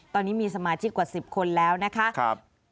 ตอนนี้มีสมาชิกกว่า๑๐คนแล้วนะคะ